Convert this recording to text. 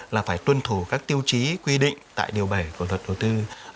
là phải tuân thủ các tiêu chí quy định tại điều bảy của luật đầu tư hai nghìn một mươi bốn